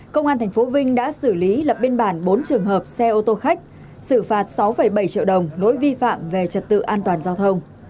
công an tp vinh đã xử lý lập biên bản bốn trường hợp xe ô tô khách xử phạt sáu bảy triệu đồng lỗi vi phạm về trật tự an toàn giao thông